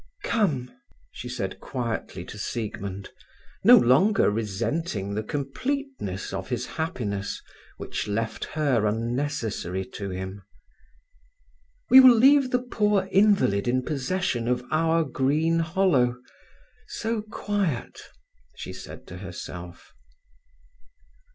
"Come!" she said quietly to Siegmund, no longer resenting the completeness of his happiness, which left her unnecessary to him. "We will leave the poor invalid in possession of our green hollow—so quiet," she said to herself.